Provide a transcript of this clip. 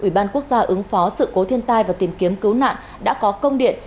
ủy ban quốc gia ứng phó sự cố thiên tai và tìm kiếm cứu nạn đã có công điện